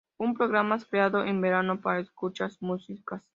Un programa creado en verano para escuchas música.